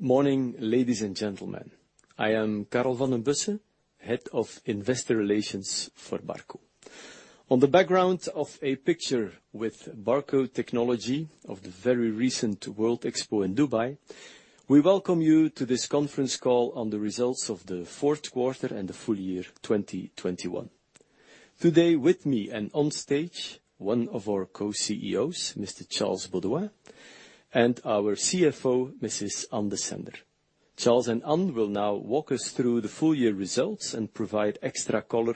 Good morning, ladies and gentlemen. I am Carl Van den Bussche, Head of Investor Relations for Barco. On the background of a picture with Barco technology of the very recent World Expo in Dubai, we welcome you to this conference call on the results of the fourth quarter and the full year 2021. Today with me and on stage, one of our co-CEOs, Mr. Charles Beauduin, and our CFO, Mrs. Ann Desender. Charles and Ann will now walk us through the full year results and provide extra color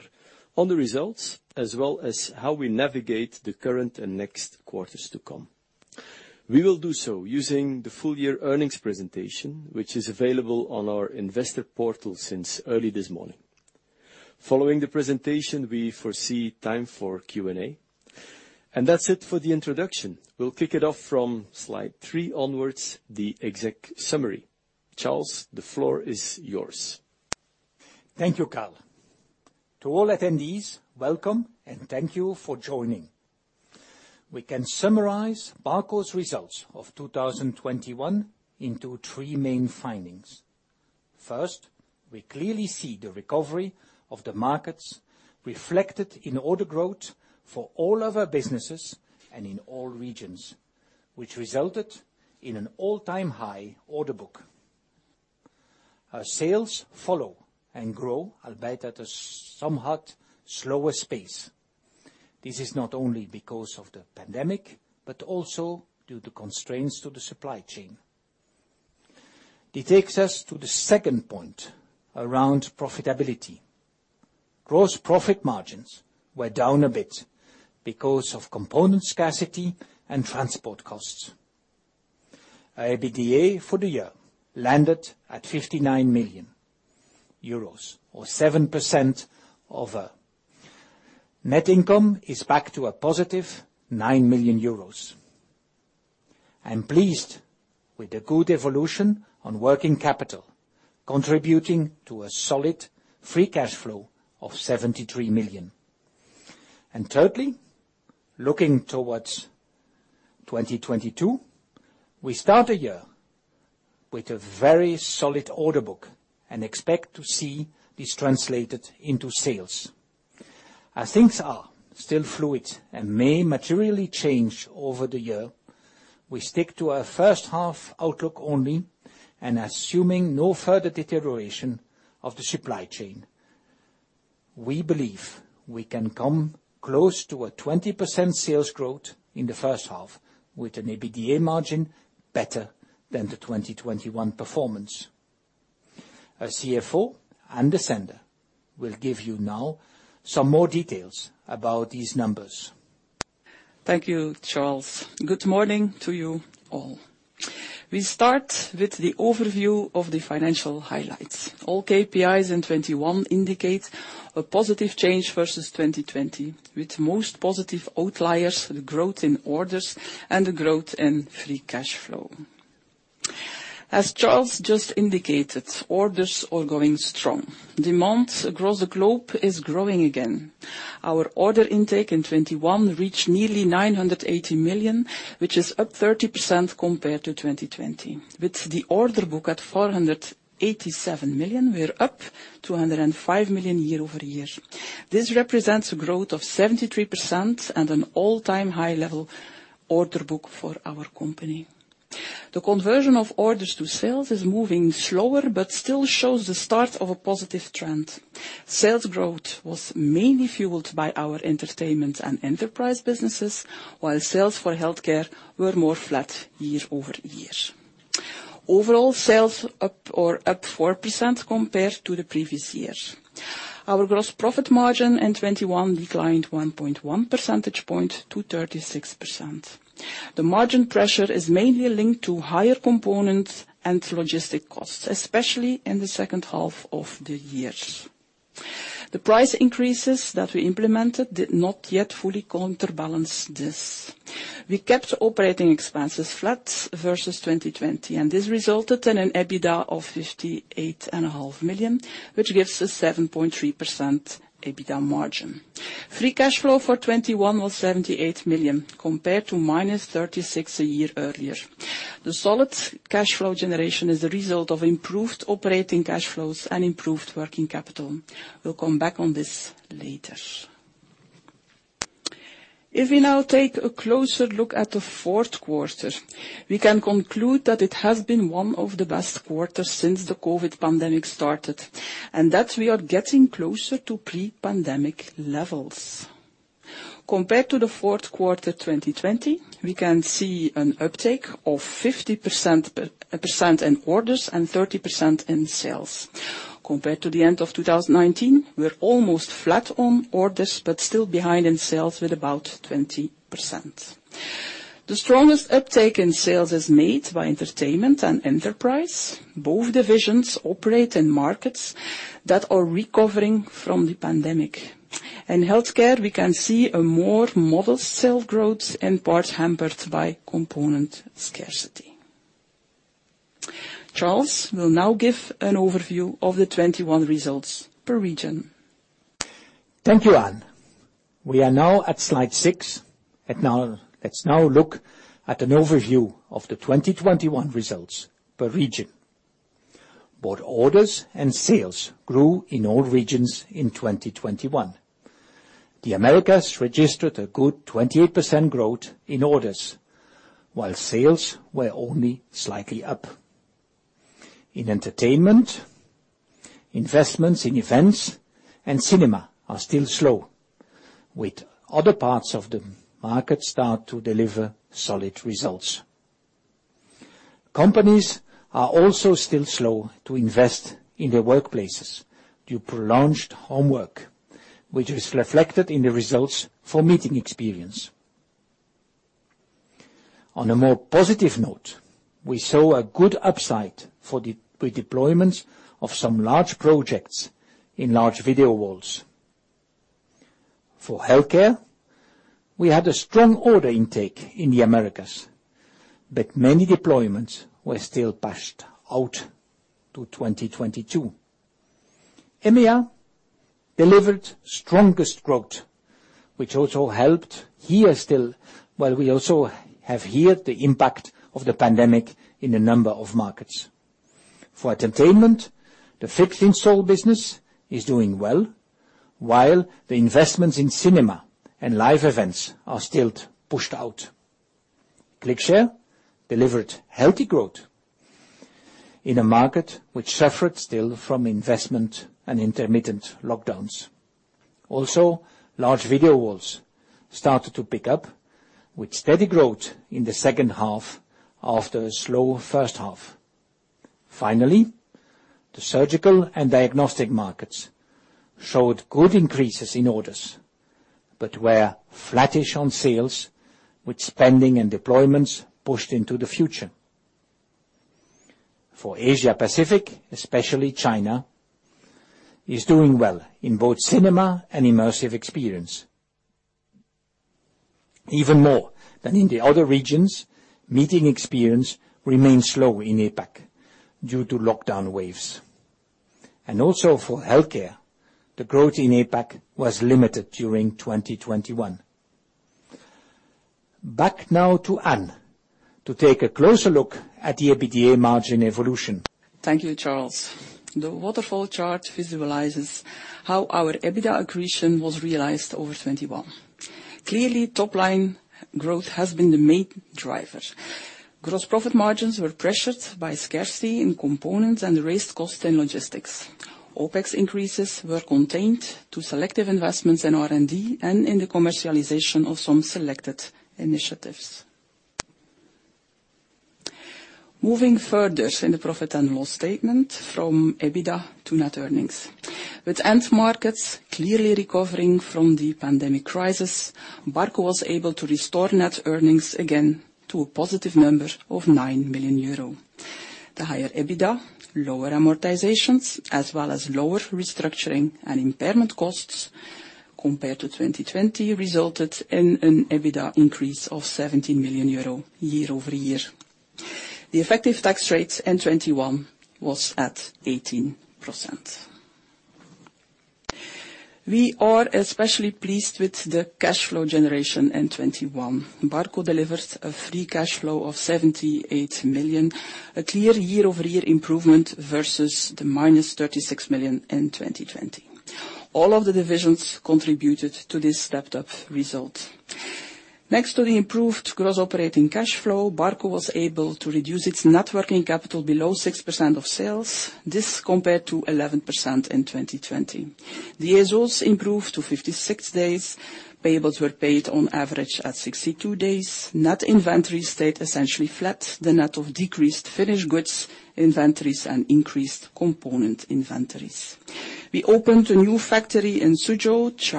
on the results, as well as how we navigate the current and next quarters to come. We will do so using the full year earnings presentation, which is available on our investor portal since early this morning. Following the presentation, we foresee time for Q&A. That's it for the introduction. We'll kick it off from slide three onwards, the exec summary. Charles, the floor is yours. Thank you, Carl. To all attendees, welcome and thank you for joining. We can summarize Barco's results of 2021 into three main findings. First, we clearly see the recovery of the markets reflected in order growth for all of our businesses and in all regions, which resulted in an all-time high order book. Our sales follow and grow, albeit at a somewhat slower pace. This is not only because of the pandemic, but also due to constraints to the supply chain. It takes us to the second point around profitability. Gross profit margins were down a bit because of component scarcity and transport costs. Our EBITDA for the year landed at 59 million euros or 7% over. Net income is back to a positive 9 million euros. I'm pleased with the good evolution on working capital, contributing to a solid free cash flow of 73 million. Thirdly, looking towards 2022, we start the year with a very solid order book and expect to see this translated into sales. As things are still fluid and may materially change over the year, we stick to our first half outlook only and assuming no further deterioration of the supply chain. We believe we can come close to a 20% sales growth in the first half with an EBITDA margin better than the 2021 performance. Our CFO, Ann Desender, will give you now some more details about these numbers. Thank you, Charles. Good morning to you all. We start with the overview of the financial highlights. All KPIs in 2021 indicate a positive change versus 2020, with most positive outliers, the growth in orders and the growth in free cash flow. As Charles just indicated, orders are going strong. Demand across the globe is growing again. Our order intake in 2021 reached nearly 980 million, which is up 30% compared to 2020. With the order book at 487 million, we're up 205 million year-over-year. This represents a growth of 73% and an all-time high level order book for our company. The conversion of orders to sales is moving slower, but still shows the start of a positive trend. Sales growth was mainly fueled by our Entertainment and Enterprise businesses while sales for Healthcare were more flat year-over-year. Overall, sales up 4% compared to the previous year. Our gross profit margin in 2021 declined 1.1 percentage points to 36%. The margin pressure is mainly linked to higher components and logistic costs, especially in the second half of the year. The price increases that we implemented did not yet fully counterbalance this. We kept operating expenses flat versus 2020, and this resulted in an EBITDA of 58.5 million, which gives us 7.3% EBITDA margin. Free cash flow for 2021 was 78 million compared to -36 million a year earlier. The solid cash flow generation is a result of improved operating cash flows and improved working capital. We'll come back on this later. If we now take a closer look at the fourth quarter, we can conclude that it has been one of the best quarters since the COVID pandemic started, and that we are getting closer to pre-pandemic levels. Compared to the fourth quarter 2020, we can see an uptake of 50% in orders and 30% in sales. Compared to the end of 2019, we're almost flat on orders, but still behind in sales with about 20%. The strongest uptake in sales is made by Entertainment and Enterprise. Both divisions operate in markets that are recovering from the pandemic. In healthcare, we can see a more modest sales growth in part hampered by component scarcity. Charles will now give an overview of the 2021 results per region. Thank you, Anne. We are now at slide six. Now, let's look at an overview of the 2021 results per region. Both orders and sales grew in all regions in 2021. The Americas registered a good 28% growth in orders, while sales were only slightly up. In entertainment, investments in events and cinema are still slow, with other parts of the market starting to deliver solid results. Companies are also still slow to invest in their workplaces due to prolonged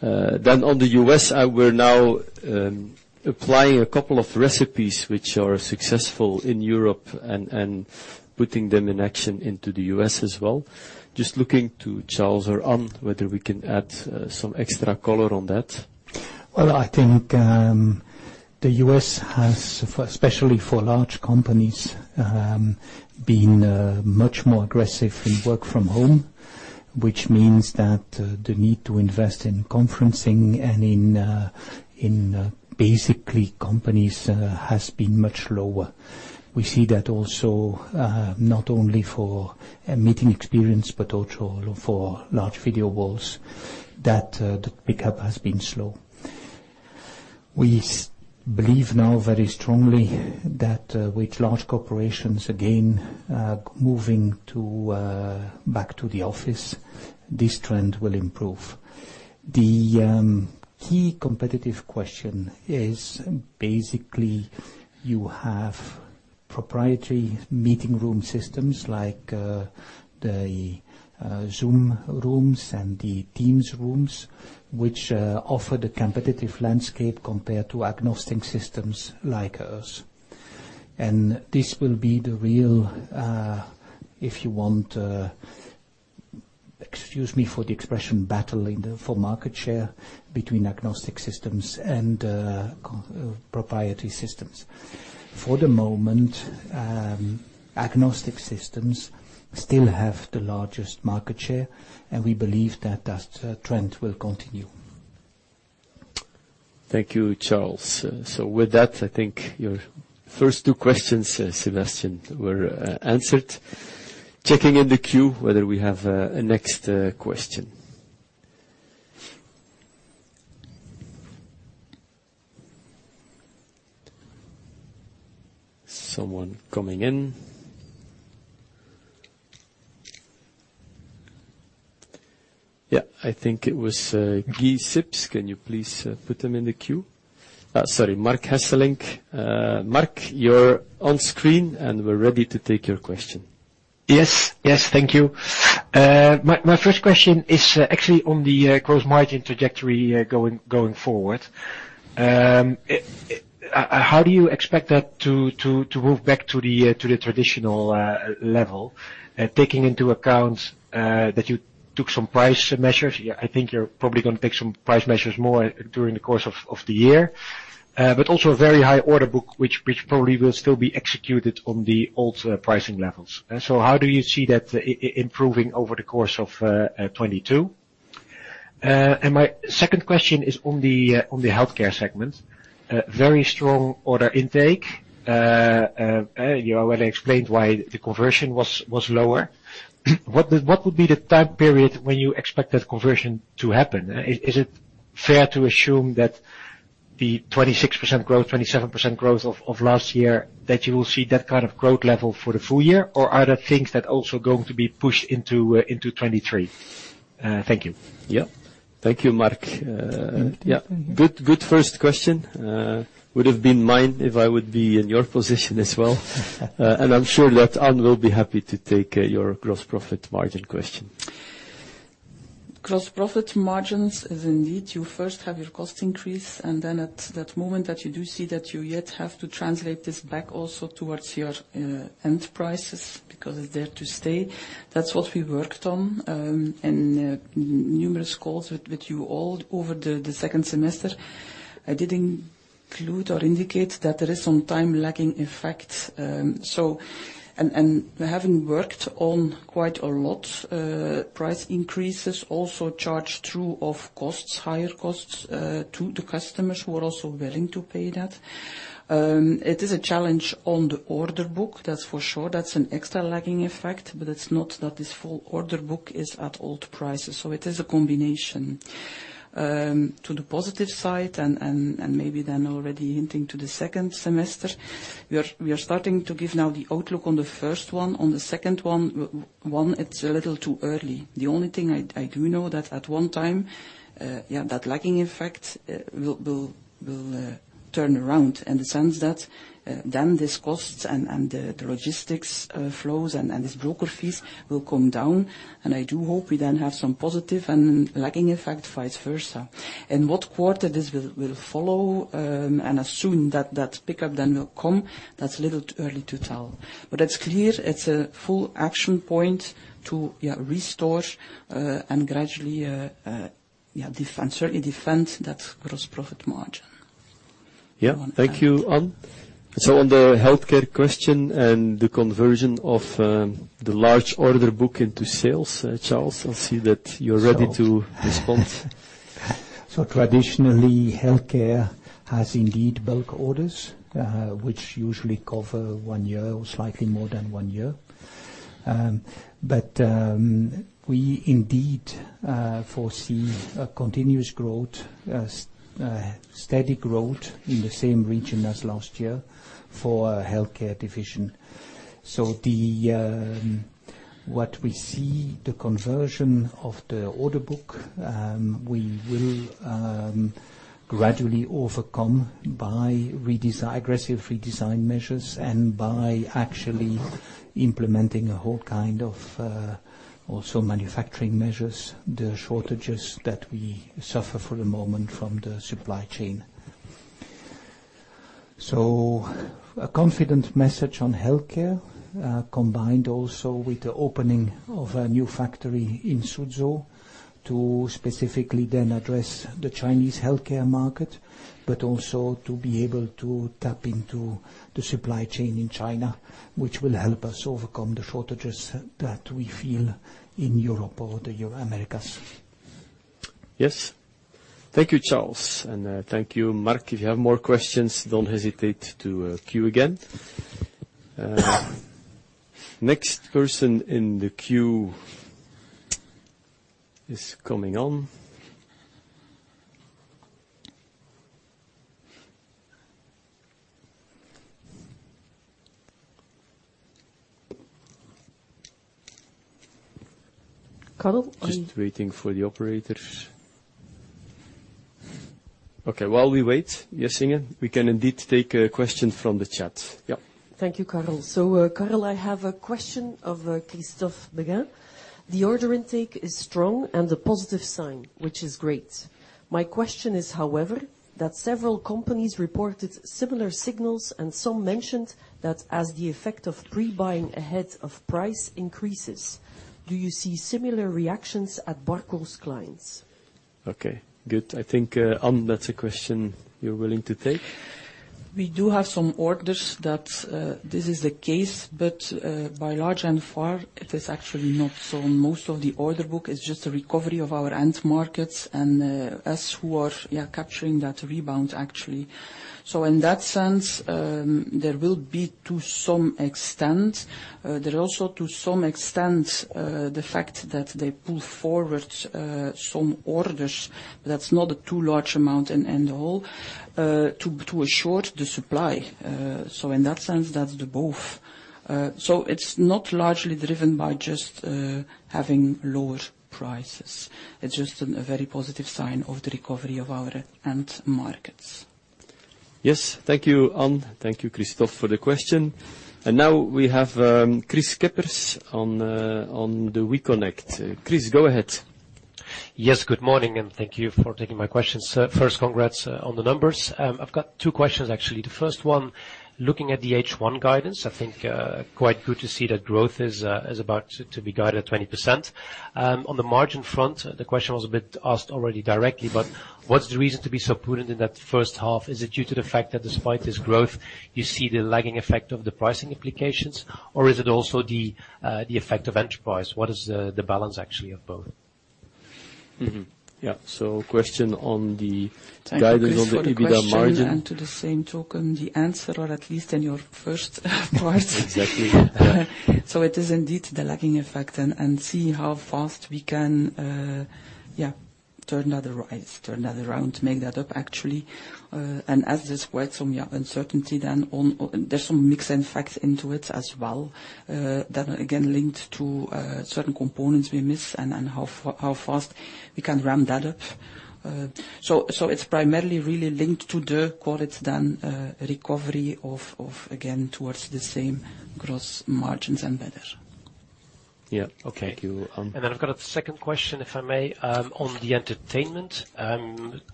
work from home,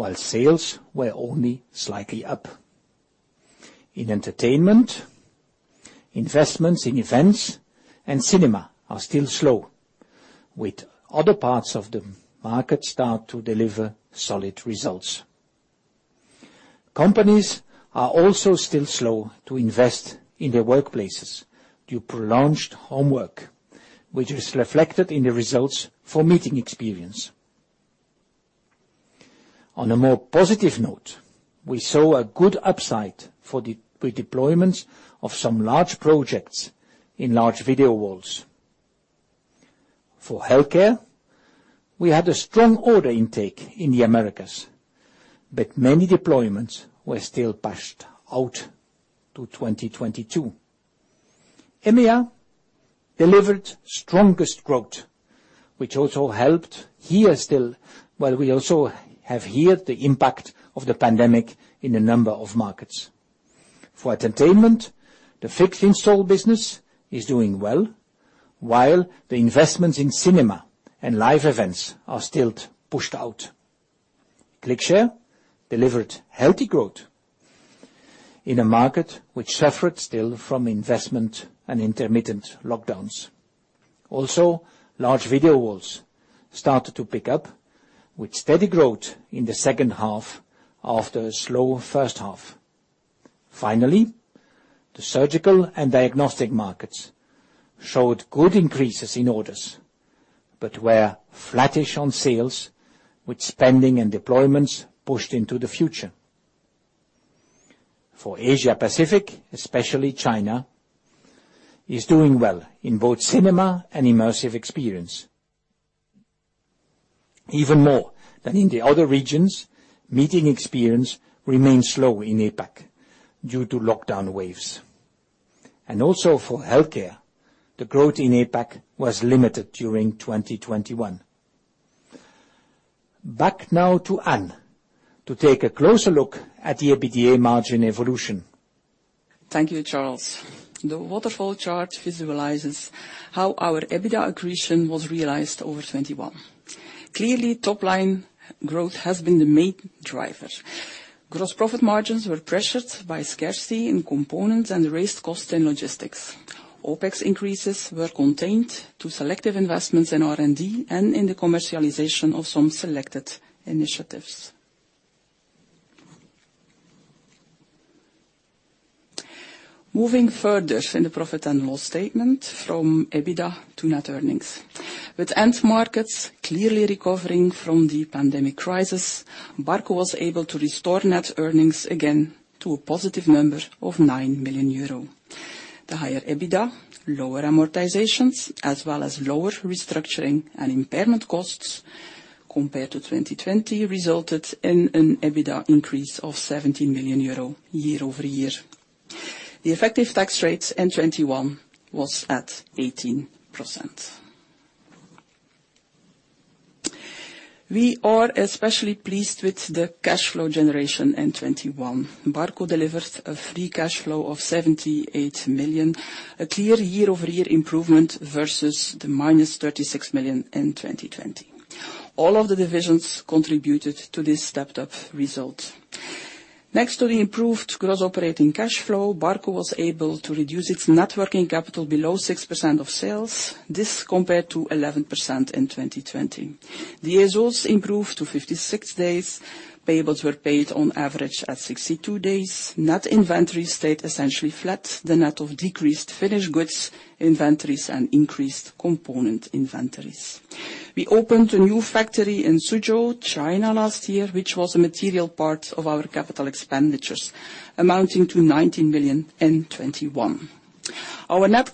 which is reflected in the results for meeting experience. On a more positive note, we saw a good upside for the deployments of some large projects in large video walls. For healthcare, we had a strong order intake in the Americas, but many deployments were still pushed out to 2022. EMEA delivered strongest growth, which also helped here still, while we also have here the impact of the pandemic in a number of markets. For entertainment, the fixed install business is doing well, while the investments in cinema and live events are still pushed out. ClickShare delivered healthy growth in a market which suffered still from investment and intermittent lockdowns. Also, large video walls started to pick up with steady growth in the second half after a slow first half. Finally, the surgical and diagnostic markets showed good increases in orders, but were flattish on sales, with spending and deployments pushed into the future. For Asia Pacific, especially China, is doing well in both cinema and immersive experience. Even more than in the other regions, meeting experience remains slow in APAC due to lockdown waves. Also for healthcare, the growth in APAC was limited during 2021. Back now to Anne to take a closer look at the EBITDA margin evolution. Thank you, Charles. The waterfall chart visualizes how our EBITDA accretion was realized over 2021. Clearly, top line growth has been the main driver. Gross profit margins were pressured by scarcity in components and raised costs and logistics. OpEx increases were contained to selective investments in R&D and in the commercialization of some selected initiatives. Moving further in the profit and loss statement from EBITDA to net earnings. With end markets clearly recovering from the pandemic crisis, Barco was able to restore net earnings again to a positive number of 9 million euro. The higher EBITDA, lower amortizations, as well as lower restructuring and impairment costs compared to 2020 resulted in an EBITDA increase of 17 million euro year-over-year. The effective tax rates in 2021 was at 18%. We are especially pleased with the cash flow generation in 2021. Barco delivered a free cash flow of 78 million, a clear year-over-year improvement versus the -36 million in 2020. All of the divisions contributed to this stepped up result. Next to the improved gross operating cash flow, Barco was able to reduce its net working capital below 6% of sales. This compared to 11% in 2020. Days sales outstanding improved to 56 days. Payables were paid on average at 62 days. Net inventory stayed essentially flat, the net of decreased finished goods, inventories, and increased component inventories. We opened a new factory in Suzhou, China last year, which was a material part of our capital expenditures amounting to 19 million in 2021. Our net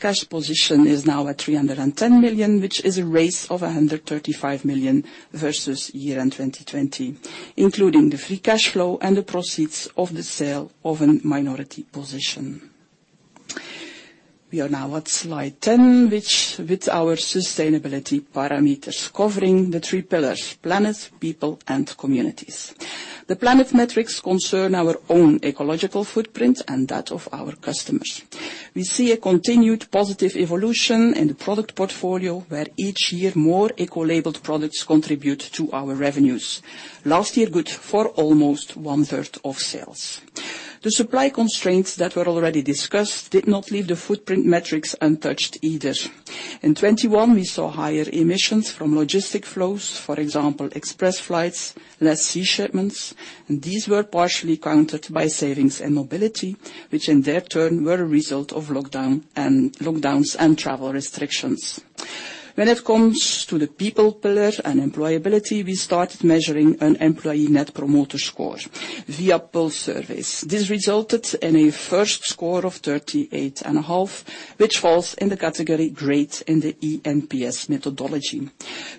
cash position is now at 310 million, which is a raise of 135 million versus year-end 2020, including the free cash flow and the proceeds of the sale of a minority position. We are now at slide 10, which with our sustainability parameters covering the three pillars planet, people, and communities. The planet metrics concern our own ecological footprint and that of our customers. We see a continued positive evolution in the product portfolio, where each year more eco-labeled products contribute to our revenues. Last year good for almost one-third of sales. The supply constraints that were already discussed did not leave the footprint metrics untouched either. In 2021, we saw higher emissions from logistic flows, for example, express flights, less sea shipments, and these were partially countered by savings and mobility, which in their turn were a result of lockdown and lockdowns and travel restrictions. When it comes to the people pillar and employability, we started measuring an employee net promoter score via pulse surveys. This resulted in a first score of 38.5, which falls in the category great in the eNPS methodology.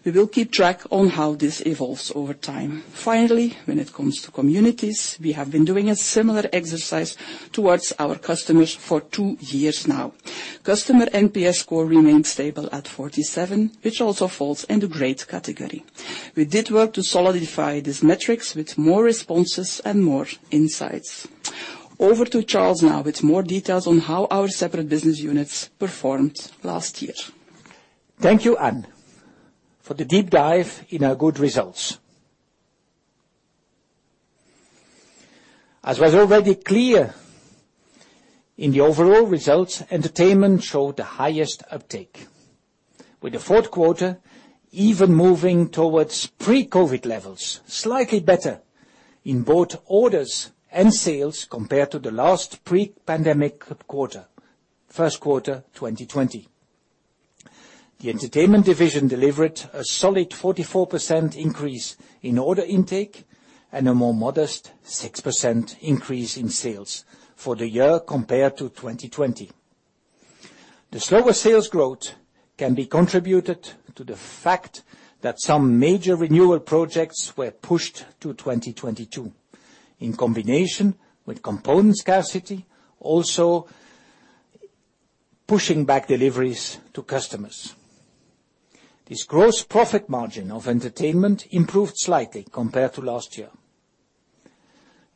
We will keep track on how this evolves over time. Finally, when it comes to communities, we have been doing a similar exercise towards our customers for two years now. Customer NPS score remains stable at 47, which also falls in the great category. We did work to solidify these metrics with more responses and more insights. Over to Charles now with more details on how our separate business units performed last year. Thank you, Anne, for the deep dive in our good results. As was already clear in the overall results, entertainment showed the highest uptake, with the fourth quarter even moving towards pre-COVID levels, slightly better in both orders and sales compared to the last pre-pandemic quarter, first quarter 2020. The entertainment division delivered a solid 44% increase in order intake and a more modest 6% increase in sales for the year compared to 2020. The slower sales growth can be contributed to the fact that some major renewal projects were pushed to 2022, in combination with component scarcity also pushing back deliveries to customers. This gross profit margin of entertainment improved slightly compared to last year.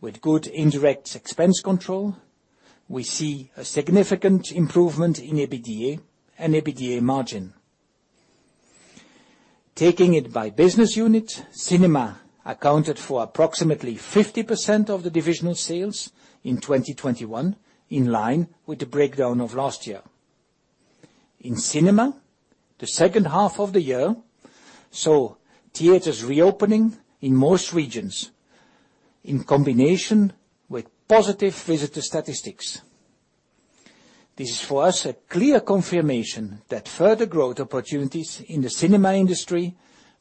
With good indirect expense control, we see a significant improvement in EBITDA and EBITDA margin. Taking it by business unit, Cinema accounted for approximately 50% of the divisional sales in 2021, in line with the breakdown of last year. In Cinema, the second half of the year saw theaters reopening in most regions in combination with positive visitor statistics. This is for us a clear confirmation that further growth opportunities in the Cinema industry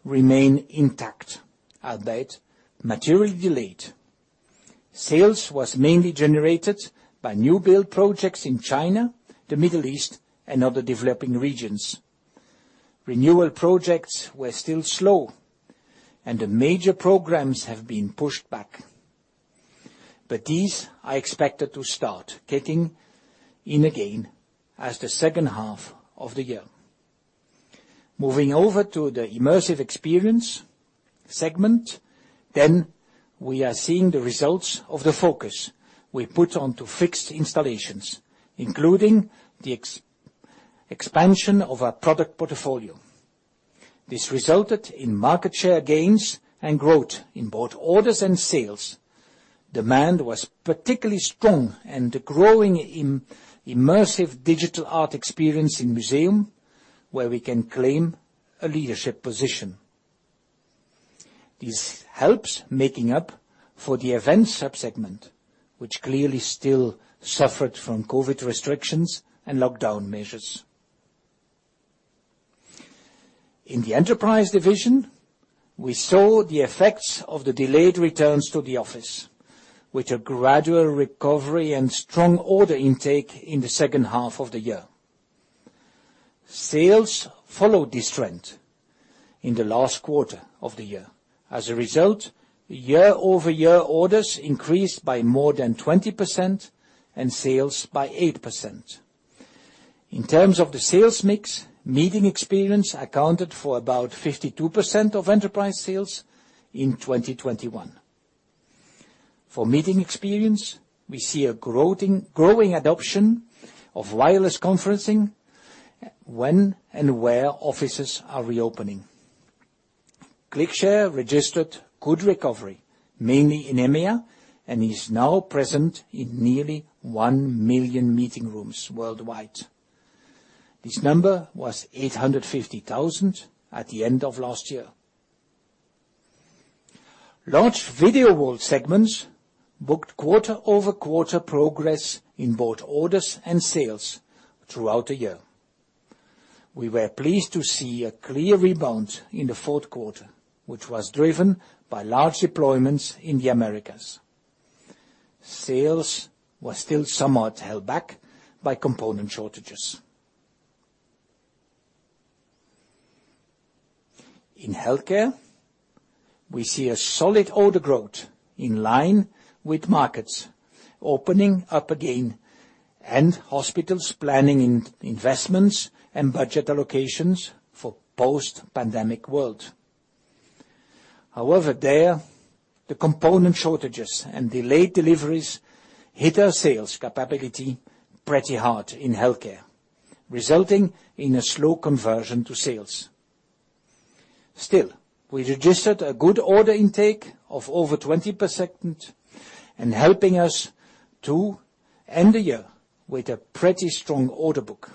remain intact, albeit materially delayed. Sales was mainly generated by new build projects in China, the Middle East and other developing regions. Renewal projects were still slow and the major programs have been pushed back. These are expected to start kicking in again as the second half of the year. Moving over to the immersive experience segment, we are seeing the results of the focus we put on to fixed installations, including the expansion of our product portfolio. This resulted in market share gains and growth in both orders and sales. Demand was particularly strong and growing in immersive digital art experience in museum, where we can claim a leadership position. This helps making up for the events subsegment, which clearly still suffered from COVID restrictions and lockdown measures. In the enterprise division, we saw the effects of the delayed returns to the office with a gradual recovery and strong order intake in the second half of the year. Sales followed this trend in the last quarter of the year. As a result, year-over-year orders increased by more than 20% and sales by 8%. In terms of the sales mix, meeting experience accounted for about 52% of enterprise sales in 2021. For meeting experience, we see a growing adoption of wireless conferencing when and where offices are reopening. ClickShare registered good recovery, mainly in EMEA, and is now present in nearly 1 million meeting rooms worldwide. This number was 850,000 at the end of last year. Large video wall segments booked quarter-over-quarter progress in both orders and sales throughout the year. We were pleased to see a clear rebound in the fourth quarter, which was driven by large deployments in the Americas. Sales were still somewhat held back by component shortages. In healthcare, we see a solid order growth in line with markets opening up again and hospitals planning in investments and budget allocations for post-pandemic world. However, there, the component shortages and delayed deliveries hit our sales capability pretty hard in healthcare, resulting in a slow conversion to sales. Still, we registered a good order intake of over 20% and helping us to end the year with a pretty strong order book.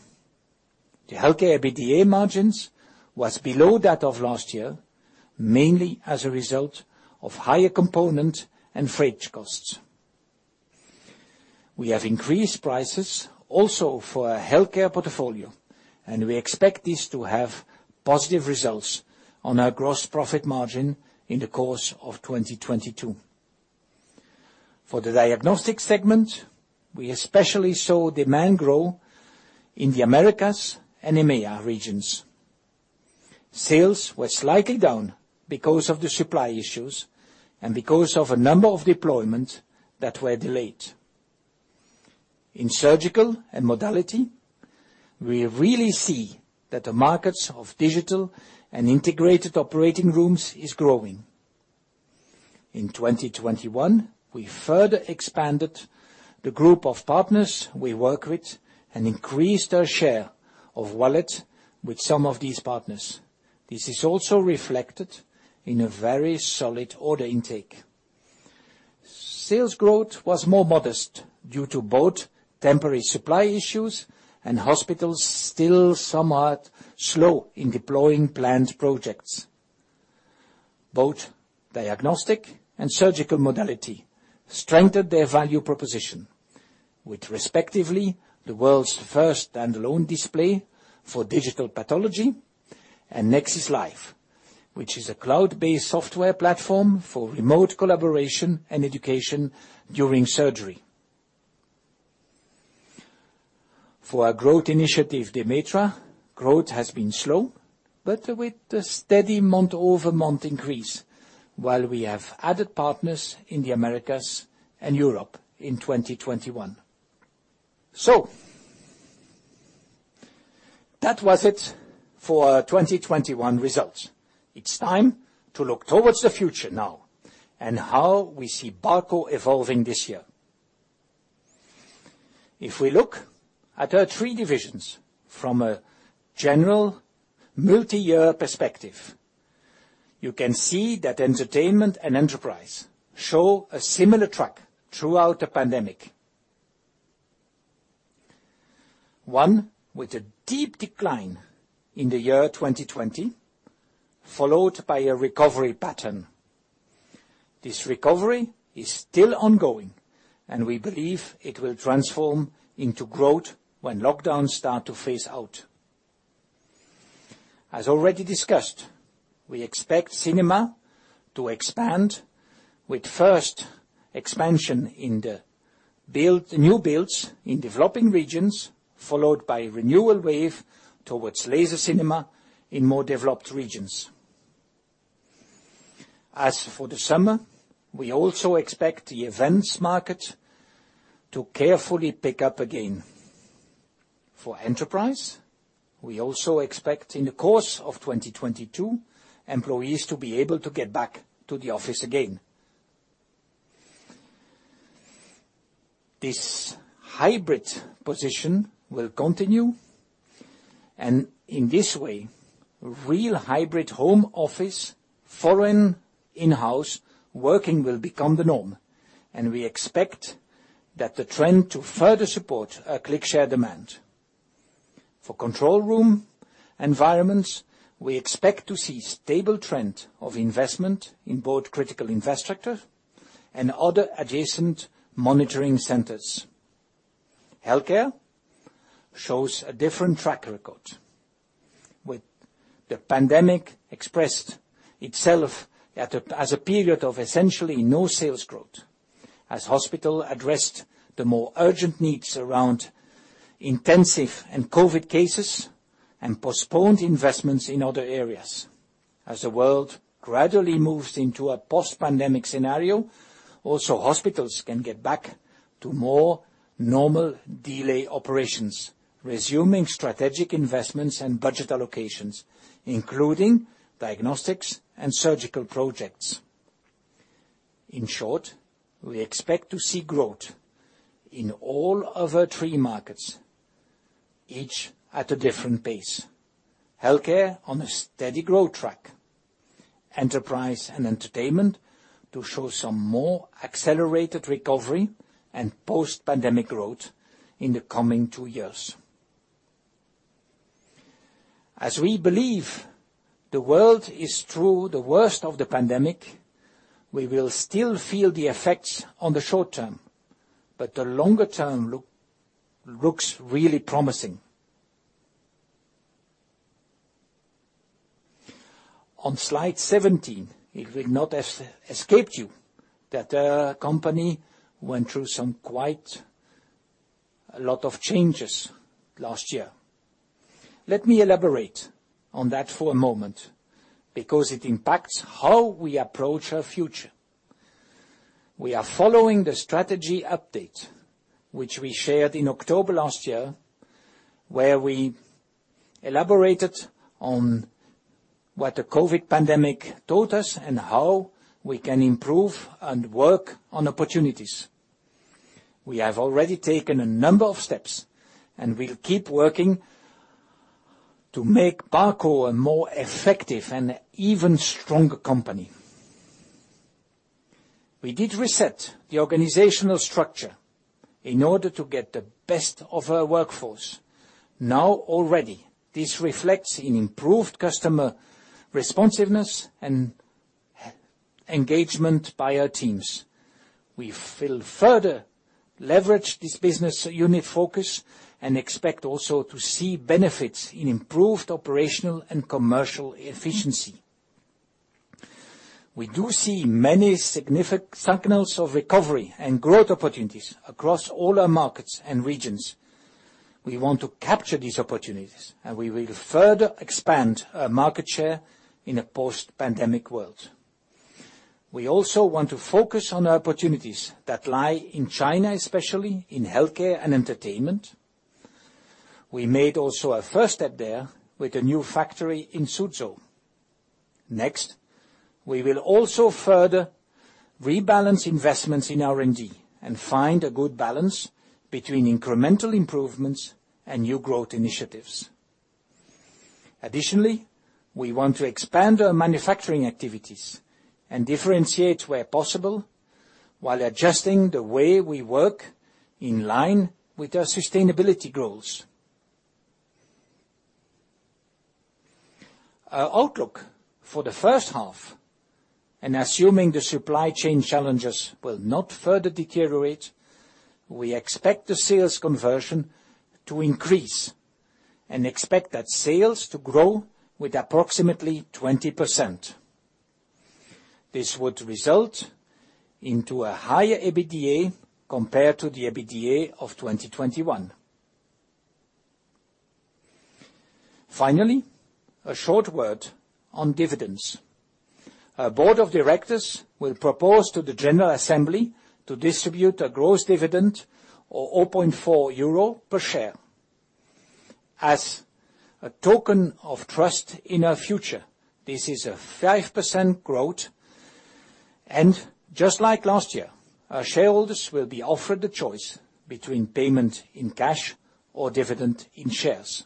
The Healthcare EBITDA margins was below that of last year, mainly as a result of higher component and freight costs. We have increased prices also for our Healthcare portfolio, and we expect this to have positive results on our gross profit margin in the course of 2022. For the Diagnostic segment, we especially saw demand grow in the Americas and EMEA regions. Sales were slightly down because of the supply issues and because of a number of deployments that were delayed. In Surgical and Modality, we really see that the markets of digital and integrated operating rooms is growing. In 2021, we further expanded the group of partners we work with and increased our share of wallet with some of these partners. This is also reflected in a very solid order intake. Sales growth was more modest due to both temporary supply issues and hospitals still somewhat slow in deploying planned projects. Both diagnostic and surgical modality strengthened their value proposition with respectively the world's first stand-alone display for digital pathology and NexxisLive, which is a cloud-based software platform for remote collaboration and education during surgery. For our growth initiative, Demetra, growth has been slow, but with a steady month-over-month increase while we have added partners in the Americas and Europe in 2021. That was it for our 2021 results. It's time to look towards the future now and how we see Barco evolving this year. If we look at our three divisions from a general multi-year perspective, you can see that entertainment and enterprise show a similar track throughout the pandemic. One with a deep decline in the year 2020, followed by a recovery pattern. This recovery is still ongoing, and we believe it will transform into growth when lockdowns start to phase out. As already discussed, we expect cinema to expand with first expansion in the build, new builds in developing regions, followed by renewal wave towards laser cinema in more developed regions. As for the summer, we also expect the events market to carefully pick up again. For enterprise, we also expect in the course of 2022, employees to be able to get back to the office again. This hybrid position will continue, and in this way, real hybrid home office, or in-house working will become the norm, and we expect that the trend to further support our ClickShare demand. For control room environments, we expect to see stable trend of investment in both critical infrastructure and other adjacent monitoring centers. Healthcare shows a different track record when the pandemic expressed itself as a period of essentially no sales growth as hospitals addressed the more urgent needs around intensive and COVID cases and postponed investments in other areas. As the world gradually moves into a post-pandemic scenario, hospitals can get back to more normal daily operations, resuming strategic investments and budget allocations, including diagnostics and surgical projects. In short, we expect to see growth in all of our three markets, each at a different pace. Healthcare on a steady growth track. Enterprise and Entertainment to show some more accelerated recovery and post-pandemic growth in the coming two years. As we believe the world is through the worst of the pandemic, we will still feel the effects in the short term, but the longer-term looks really promising. On slide 17, it will not escape you that our company went through some quite a lot of changes last year. Let me elaborate on that for a moment because it impacts how we approach our future. We are following the strategy update, which we shared in October last year, where we elaborated on what the COVID pandemic taught us and how we can improve and work on opportunities. We have already taken a number of steps, and we'll keep working to make Barco a more effective and even stronger company. We did reset the organizational structure in order to get the best of our workforce. Now already, this reflects in improved customer responsiveness and engagement by our teams. We will further leverage this business unit focus and expect also to see benefits in improved operational and commercial efficiency. We do see many signals of recovery and growth opportunities across all our markets and regions. We want to capture these opportunities, and we will further expand our market share in a post-pandemic world. We also want to focus on opportunities that lie in China, especially in healthcare and entertainment. We made also a first step there with a new factory in Suzhou. Next, we will also further rebalance investments in R&D and find a good balance between incremental improvements and new growth initiatives. Additionally, we want to expand our manufacturing activities and differentiate where possible while adjusting the way we work in line with our sustainability goals. Our outlook for the first half, and assuming the supply chain challenges will not further deteriorate, we expect the sales conversion to increase and expect that sales to grow with approximately 20%. This would result into a higher EBITDA compared to the EBITDA of 2021. Finally, a short word on dividends. Our board of directors will propose to the general assembly to distribute a gross dividend of 0.4 euro per share. As a token of trust in our future, this is a 5% growth, and just like last year, our shareholders will be offered the choice between payment in cash or dividend in shares.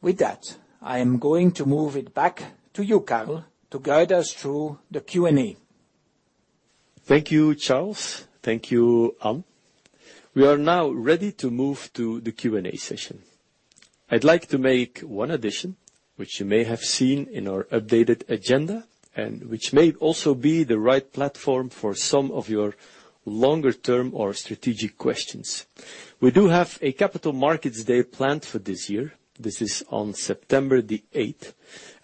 With that, I am going to move it back to you, Carl, to guide us through the Q&A. Thank you, Charles. Thank you, Ann. We are now ready to move to the Q&A session. I'd like to make one addition, which you may have seen in our updated agenda, and which may also be the right platform for some of your longer-term or strategic questions. We do have a Capital Markets Day planned for this year. This is on September 8,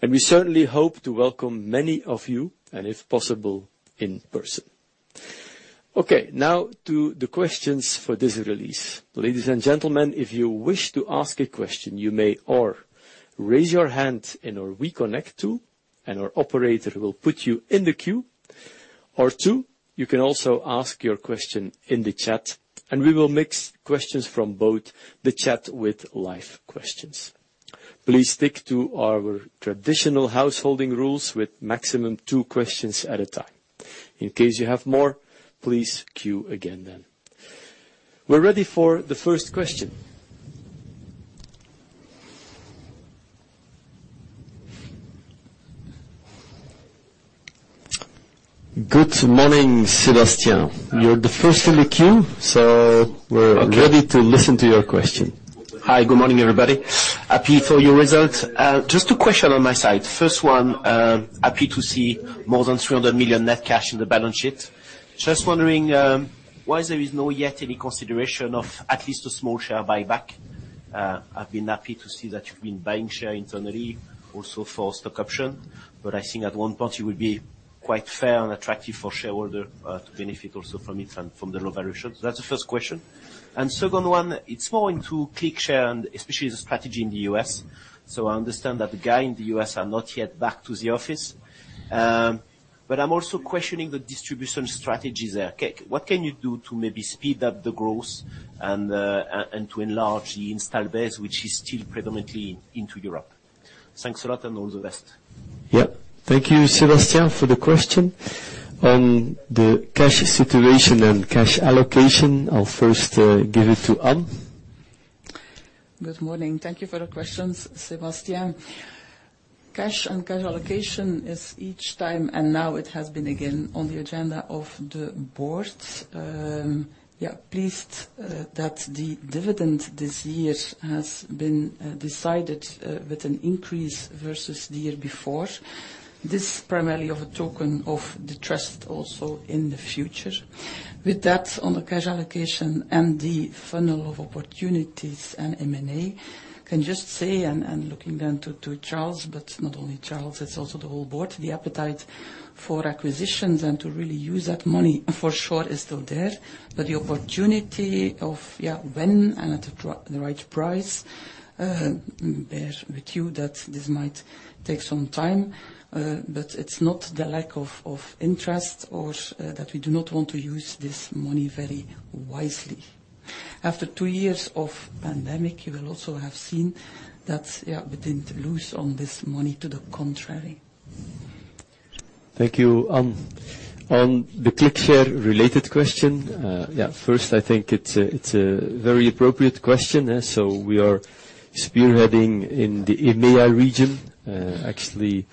and we certainly hope to welcome many of you, and if possible, in person. Okay, now to the questions for this release. Ladies and gentlemen, if you wish to ask a question, you may raise your hand in our weConnect tool, and our operator will put you in the queue, or two, you can also ask your question in the chat, and we will mix questions from both the chat with live questions. Please stick to our traditional householding rules with maximum two questions at a time. In case you have more, please queue again then. We're ready for the first question. Good morning, Sebastian. You're the first in the queue, so we're ready to listen to your question. Hi, good morning, everybody. I'm happy for your results. Just two questions on my side. First one, happy to see more than 300 million net cash in the balance sheet. Just wondering why there is not yet any consideration of at least a small share buyback. I've been happy to see that you've been buying shares internally also for stock options, but I think at one point it would be quite fair and attractive for shareholders to benefit also from it and from the low valuation. That's the first question. Second one, it's more into ClickShare and especially the strategy in the U.S. I understand that the guys in the U.S. are not yet back to the office, but I'm also questioning the distribution strategy there. What can you do to maybe speed up the growth and to enlarge the install base, which is still predominantly in Europe? Thanks a lot, and all the best. Yeah. Thank you, Sebastian, for the question. On the cash situation and cash allocation, I'll first give it to Anne. Good morning. Thank you for the questions, Sebastian. Cash and cash allocation is each time, and now it has been again on the agenda of the board. Yeah, pleased that the dividend this year has been decided with an increase versus the year before. This is primarily a token of the trust also in the future. With that on the cash allocation and the funnel of opportunities and M&A, I can just say and looking then to Charles, but not only Charles, it's also the whole board, the appetite for acquisitions and to really use that money for sure is still there. The opportunity of, yeah, when and at the right price, bear with you that this might take some time, but it's not the lack of interest or that we do not want to use this money very wisely. After two years of pandemic, you will also have seen that, yeah, we didn't lose on this money. To the contrary. Thank you, Anne. On the ClickShare related question, yeah, first, I think it's a very appropriate question. We are spearheading in the EMEA region, actually,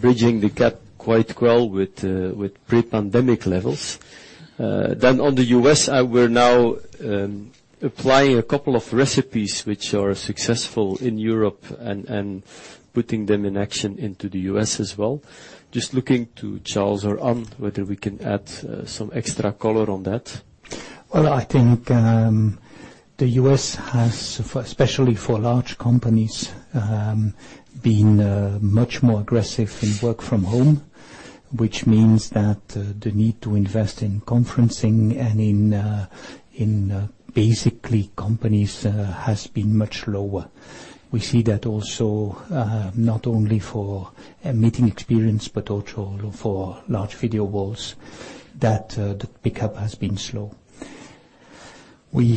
bridging the gap quite well with pre-pandemic levels. On the U.S., we're now applying a couple of recipes which are successful in Europe and putting them in action into the U.S. as well. Just looking to Charles or Anne, whether we can add some extra color on that. Well, I think the U.S. has for, especially for large companies, been much more aggressive in work from home, which means that the need to invest in conferencing and in basically companies has been much lower. We see that also not only for a meeting experience but also for large video walls that the pickup has been slow. We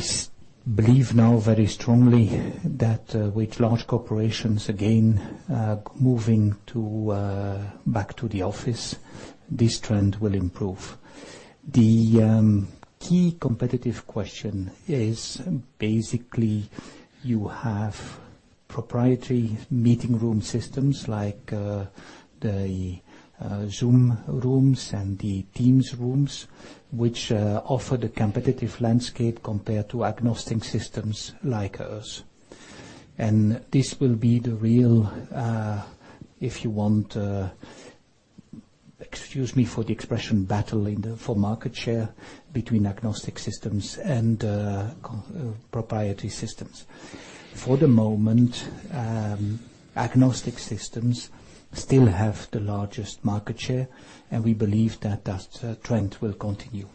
believe now very strongly that with large corporations again moving back to the office, this trend will improve. The key competitive question is basically you have proprietary meeting room systems like the Zoom Rooms and the Teams Rooms, which offer the competitive landscape compared to agnostic systems like us. This will be the real, if you want, excuse me for the expression, battle in the full market share between agnostic systems and proprietary systems. For the moment, agnostic systems still have the largest market share, and we believe that trend will continue.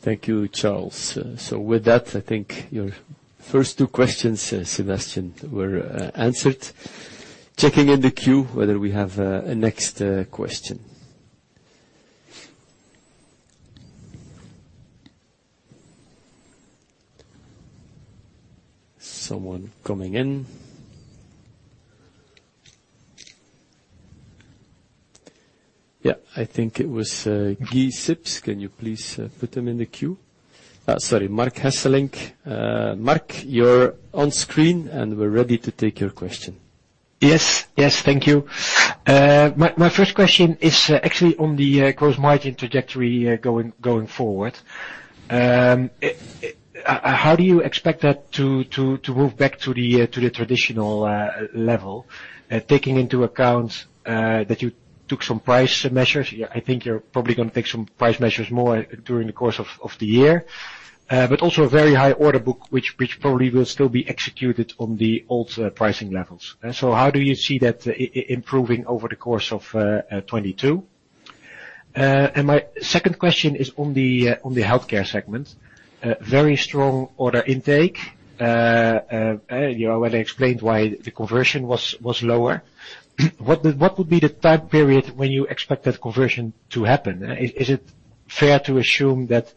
Thank you, Charles. With that, I think your first two questions, Sebastian, were answered. Checking in the queue whether we have a next question. Someone coming in. Yeah, I think it was Guy Sips. Can you please put him in the queue? Sorry, Mark Hesselink. Mark, you're on screen, and we're ready to take your question. Yes, yes. Thank you. My first question is actually on the gross margin trajectory going forward. How do you expect that to move back to the traditional level, taking into account that you took some price measures? I think you're probably gonna take some price measures more during the course of the year, but also a very high order book, which probably will still be executed on the old pricing levels. So how do you see that improving over the course of 2022? And my second question is on the healthcare segment. Very strong order intake, you know, when I explained why the conversion was lower. What would be the time period when you expect that conversion to happen? Is it fair to assume that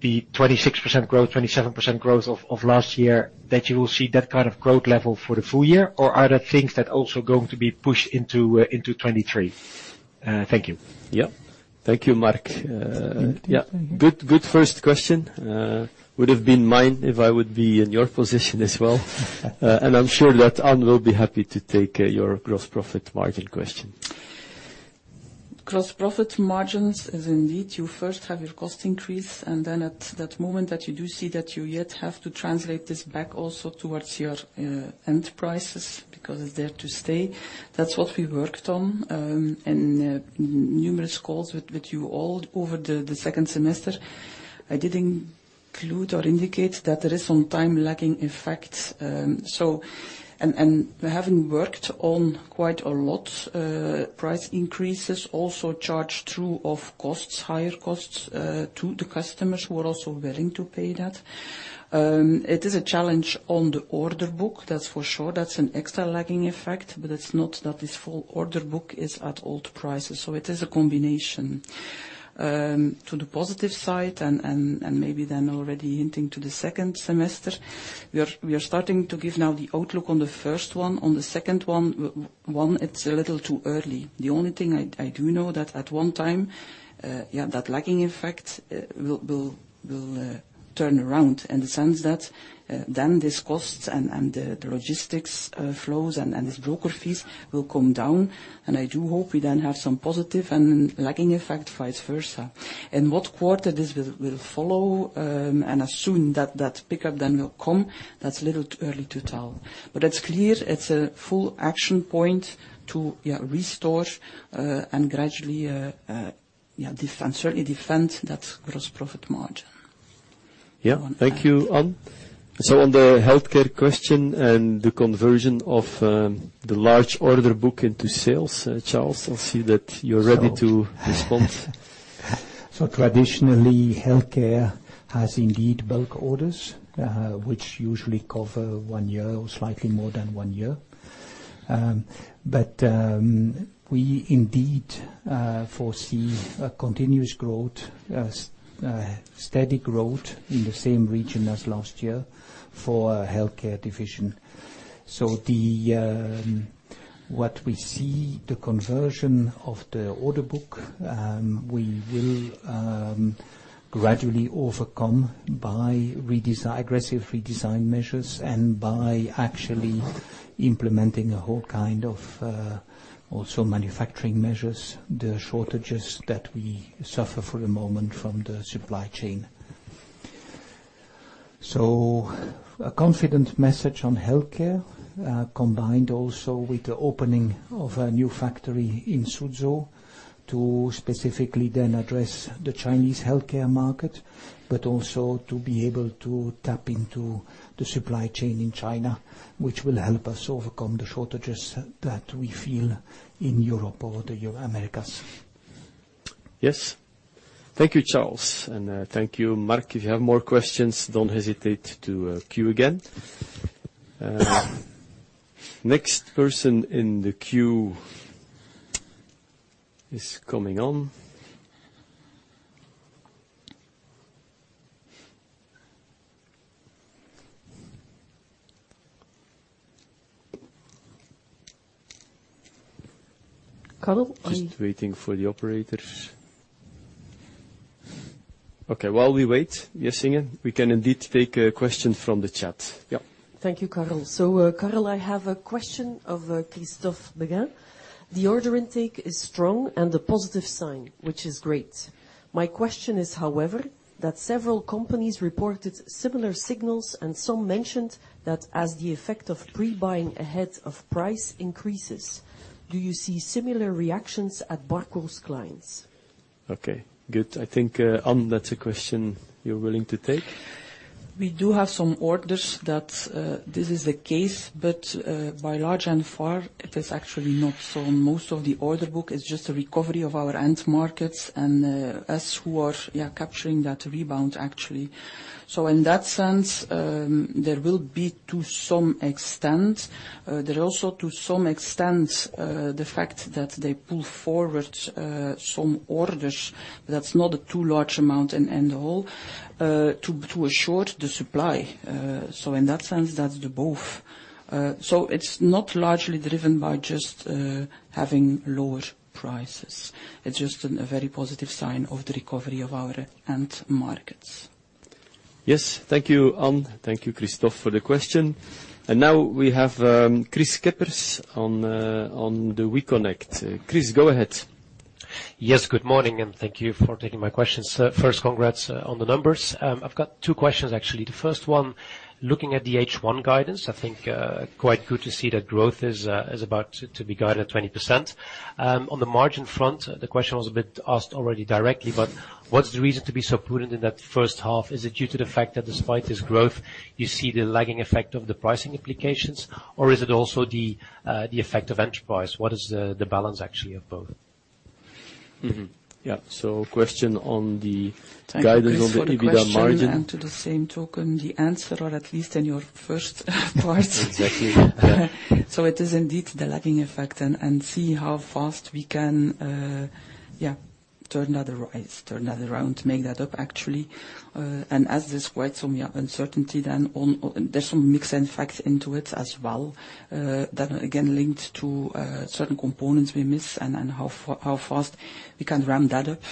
the 26% growth, 27% growth of last year, that you will see that kind of growth level for the full year? Or are there things that are also going to be pushed into 2023? Thank you. Yeah. Thank you, Mark. Yeah, good first question. Would have been mine if I would be in your position as well. I'm sure that Ann will be happy to take your gross profit margin question. Gross profit margins is indeed you first have your cost increase, and then at that moment that you do see that you yet have to translate this back also towards your end prices because it's there to stay. That's what we worked on in numerous calls with you all over the second semester. I did include or indicate that there is some time lagging effect. We haven't worked on quite a lot price increases also charged through of costs, higher costs to the customers who are also willing to pay that. It is a challenge on the order book, that's for sure. That's an extra lagging effect, but it's not that this full order book is at old prices. It is a combination. To the positive side and maybe then already hinting to the second semester, we are starting to give now the outlook on the first one. On the second one, it's a little too early. The only thing I do know that at one time, yeah, that lagging effect will turn around in the sense that then these costs and the logistics flows and these broker fees will come down. I do hope we then have some positive lagging effect, vice versa. In what quarter this will follow and assume that that pickup then will come, that's a little too early to tell. It's clear it's a full action point to, yeah, restore and gradually, yeah, defend, certainly defend that gross profit margin. Yeah. Thank you, Ann. On the healthcare question and the conversion of the large order book into sales, Charles, I see that you're ready to respond. Traditionally, healthcare has indeed bulk orders, which usually cover one year or slightly more than one year. We indeed foresee a continuous growth, steady growth in the same region as last year for our healthcare division. What we see, the conversion of the order book, we will gradually overcome by redesign, aggressive redesign measures and by actually implementing a whole kind of also manufacturing measures, the shortages that we suffer for the moment from the supply chain. A confident message on healthcare, combined also with the opening of a new factory in Suzhou to specifically then address the Chinese healthcare market, but also to be able to tap into the supply chain in China, which will help us overcome the shortages that we feel in Europe or the Americas. Yes. Thank you, Charles. Thank you, Mark. If you have more questions, don't hesitate to queue again. Next person in the queue is coming on. Carl, Just waiting for the operators. Okay, while we wait, Yessege, we can indeed take a question from the chat. Yeah. Thank you, Carl. Carl, I have a question of Christophe Beghin. The order intake is strong and a positive sign, which is great. My question is, however, that several companies reported similar signals and some mentioned that as the effect of pre-buying ahead of price increases. Do you see similar reactions at Barco's clients? Okay, good. I think, Anne, that's a question you're willing to take. We do have some orders that this is the case, but by and large, it is actually not. Most of the order book is just a recovery of our end markets and us who are capturing that rebound actually. In that sense, there will be to some extent. There also to some extent the fact that they pull forward some orders, that's not too large amount in the whole to assure the supply. In that sense, that's both. It's not largely driven by just having lower prices. It's just a very positive sign of the recovery of our end markets. Yes. Thank you, Anne. Thank you, Christophe, for the question. Now we have Kris Kippers on the weConnect. Chris, go ahead. Yes, good morning, and thank you for taking my question, sir. First, congrats on the numbers. I've got two questions, actually. The first one, looking at the H1 guidance, I think quite good to see that growth is about to be guided at 20%. On the margin front, the question was a bit asked already directly, but what's the reason to be so prudent in that first half? Is it due to the fact that despite this growth, you see the lagging effect of the pricing applications, or is it also the effect of enterprise? What is the balance actually of both? Yeah. Question on the- Thank you, Kris, for the question. Guidance on the EBITDA margin. By the same token, the answer, or at least in your first part. Exactly. Yeah. It is indeed the lagging effect and see how fast we can turn that around, make that up, actually. As described, uncertainty then on. There is some mix effects into it as well, that are again linked to certain components we missed and how fast we can ramp that up.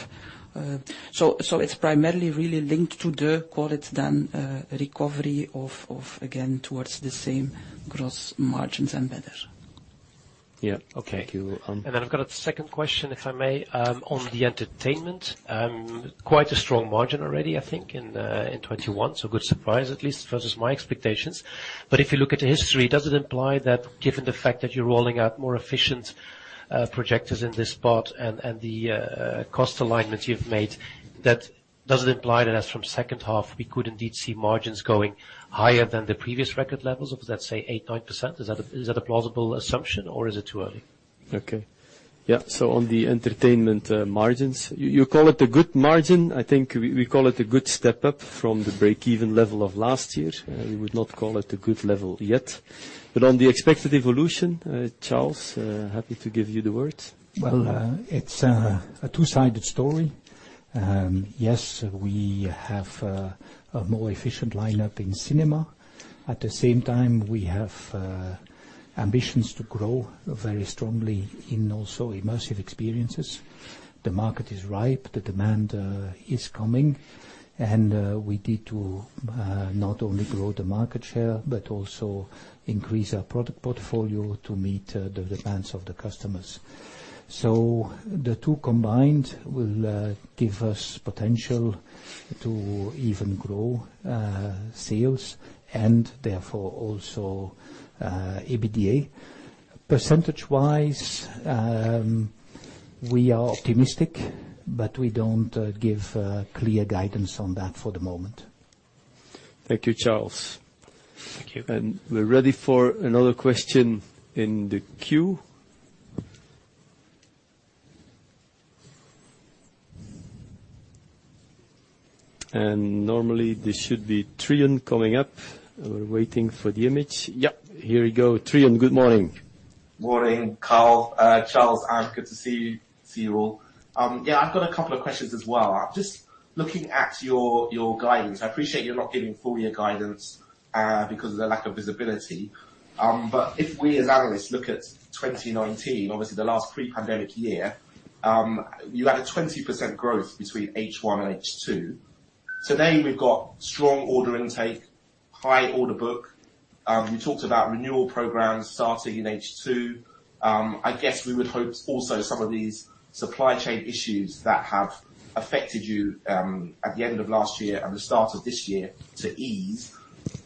It is primarily really linked to the call it then recovery of again towards the same gross margins and better. Yeah. Okay. Thank you. Then I've got a second question, if I may, on the entertainment. Quite a strong margin already, I think, in 2021. Good surprise, at least versus my expectations. If you look at the history, does it imply that given the fact that you're rolling out more efficient projectors in this part and the cost alignment you've made, that does it imply that as from second half, we could indeed see margins going higher than the previous record levels of let's say 8%-9%? Is that a plausible assumption or is it too early? Okay. Yeah. On the entertainment margins, you call it a good margin. I think we call it a good step up from the break-even level of last year. We would not call it a good level yet. On the expected evolution, Charles, happy to give you the words. Well, it's a two-sided story. Yes, we have a more efficient lineup in cinema. At the same time, we have ambitions to grow very strongly in also immersive experiences. The market is ripe, the demand is coming, and we need to not only grow the market share, but also increase our product portfolio to meet the demands of the customers. The two combined will give us potential to even grow sales and therefore also EBITDA. Percentage-wise, we are optimistic, but we don't give clear guidance on that for the moment. Thank you, Charles. Thank you. We're ready for another question in the queue. Normally, this should be Trion coming up. We're waiting for the image. Yep, here we go. Trion, good morning. Morning, Carl, Charles, Anne, good to see you all. Yeah, I've got a couple of questions as well. Just looking at your guidance, I appreciate you're not giving full year guidance because of the lack of visibility. If we as analysts look at 2019, obviously the last pre-pandemic year, you had 20% growth between H1 and H2. Today we've got strong order intake, high order book. You talked about renewal programs starting in H2. I guess we would hope also some of these supply chain issues that have affected you at the end of last year and the start of this year to ease.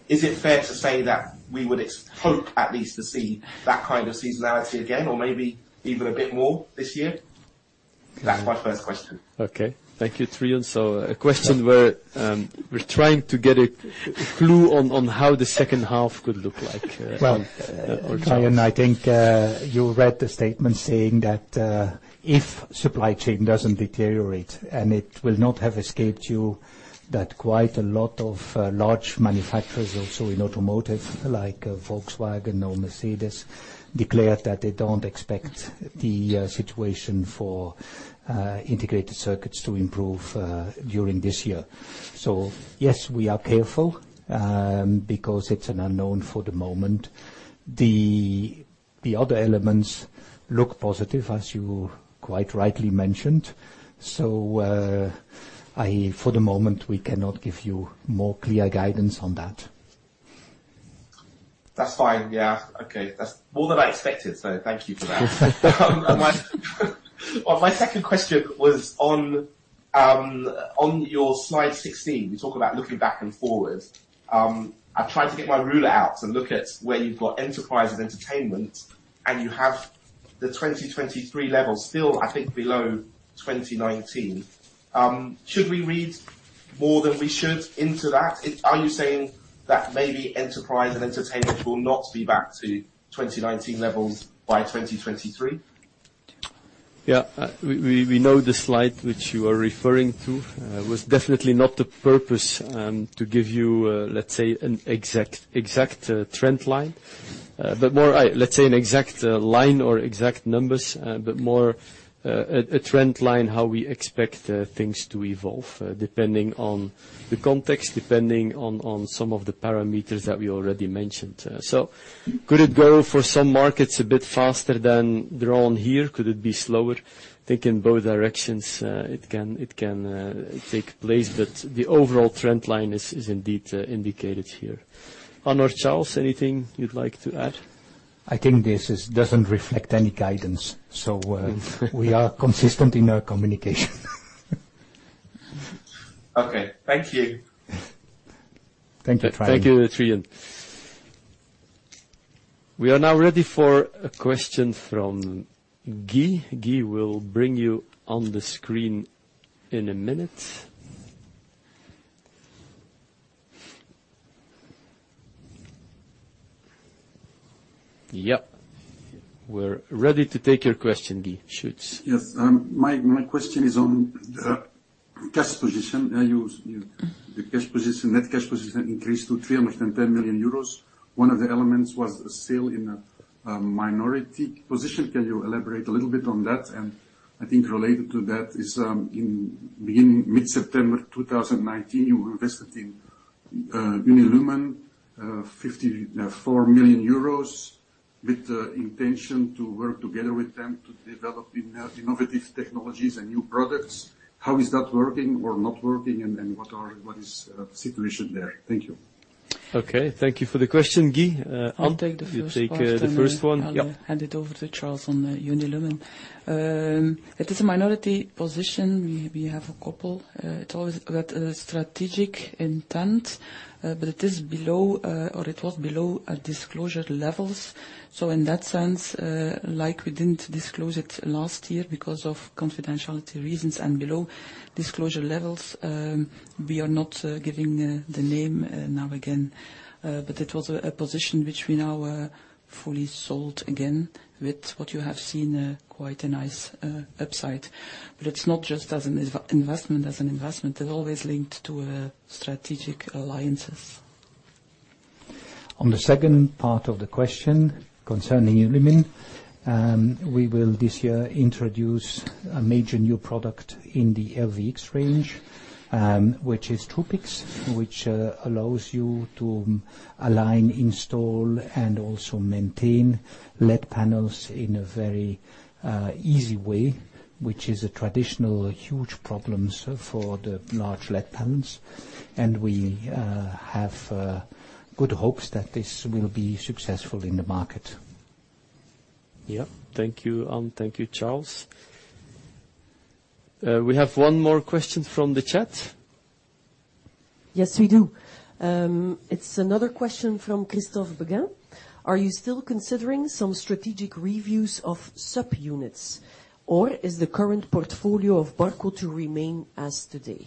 Is it fair to say that we would hope at least to see that kind of seasonality again or maybe even a bit more this year? That's my first question. Okay. Thank you, Trion. A question where we're trying to get a clue on how the second half could look like. Well- Charles. Trion, I think you read the statement saying that if supply chain doesn't deteriorate and it will not have escaped you that quite a lot of large manufacturers also in automotive, like Volkswagen or Mercedes, declared that they don't expect the situation for integrated circuits to improve during this year. Yes, we are careful because it's an unknown for the moment. The other elements look positive as you quite rightly mentioned. For the moment, we cannot give you more clear guidance on that. That's fine. Yeah. Okay. That's more than I expected, so thank you for that. Well, my second question was on your slide 16, you talk about looking back and forward. I tried to get my ruler out to look at where you've got enterprise and entertainment, and you have the 2023 levels still, I think, below 2019. Should we read more than we should into that? Are you saying that maybe enterprise and entertainment will not be back to 2019 levels by 2023? Yeah. We know the slide which you are referring to was definitely not the purpose to give you, let's say, an exact trend line. But more, let's say, an exact line or exact numbers, but more a trend line, how we expect things to evolve, depending on the context, depending on some of the parameters that we already mentioned. Could it grow for some markets a bit faster than drawn here? Could it be slower? Thinking both directions, it can take place, but the overall trend line is indeed indicated here. Anne or Charles, anything you'd like to add? I think this doesn't reflect any guidance. We are consistent in our communication. Okay. Thank you. Thank you, Trion. Thank you, Trion. We are now ready for a question from Guy. Guy, we'll bring you on the screen in a minute. Yep. We're ready to take your question, Guy. Shoot. Yes. My question is on the cash position. The cash position, net cash position increased to 310 million euros. One of the elements was a sale in a minority position. Can you elaborate a little bit on that? I think related to that is, in beginning mid-September 2019, you invested in Unilumin 54 million euros with the intention to work together with them to develop innovative technologies and new products. How is that working or not working, and what is the situation there? Thank you. Okay. Thank you for the question, Guy. Anne. I'll take the first part. You take the first one. Yep. I'll hand it over to Charles on Unilumin. It is a minority position. We have a couple, it was with a strategic intent, but it is below, or it was below, disclosure levels. In that sense, like we didn't disclose it last year because of confidentiality reasons and below disclosure levels, we are not giving the name now again. It was a position which we now fully sold again with what you have seen, a quite nice upside. It's not just as an investment. As an investment, they're always linked to a strategic alliances. On the second part of the question concerning Unilumin, we will this year introduce a major new product in the LVX range, which is Truepix, which allows you to align, install, and also maintain LED panels in a very easy way, which is a traditional huge problems for the large LED panels. We have good hopes that this will be successful in the market. Yeah. Thank you, Anne. Thank you, Charles. We have one more question from the chat. Yes, we do. It's another question from Christophe Beghin. "Are you still considering some strategic reviews of subunits or is the current portfolio of Barco to remain as today?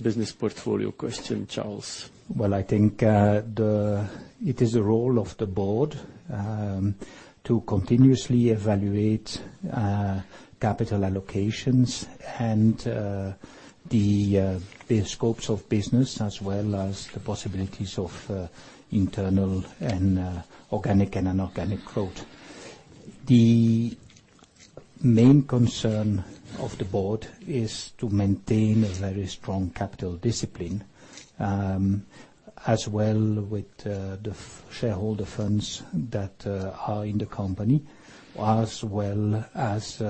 Business portfolio question, Charles. Well, I think it is the role of the board to continuously evaluate capital allocations and the scopes of business as well as the possibilities of internal and organic and inorganic growth. The main concern of the board is to maintain a very strong capital discipline as well with the shareholder funds that are in the company, as well as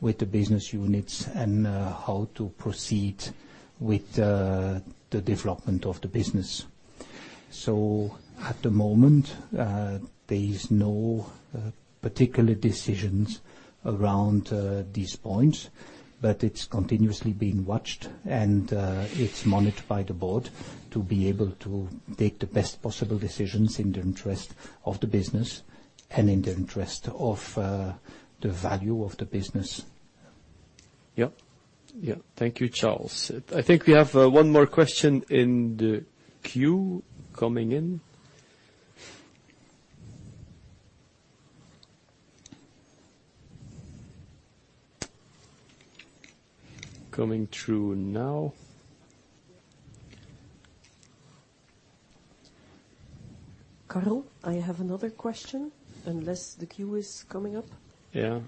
with the business units and how to proceed with the development of the business. At the moment, there is no particular decisions around these points, but it's continuously being watched and it's monitored by the board to be able to make the best possible decisions in the interest of the business and in the interest of the value of the business. Yep. Yeah. Thank you, Charles. I think we have one more question in the queue coming in. Coming through now. Carl, I have another question unless the queue is coming up. Yeah.